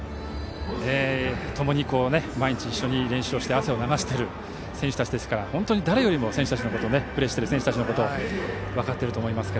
毎日一緒に練習して汗を流している選手たちなので本当に誰よりプレーしている選手たちのことを分かっていると思いますが。